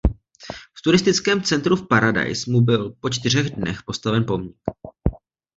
V turistickém centru v Paradise mu byl po čtyřech dnech postaven pomník.